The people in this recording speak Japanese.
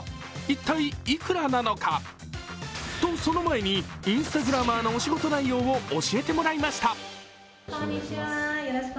一体いくらなのか？と、その前にインスタグラマーのお仕事内容を教えてもらいました。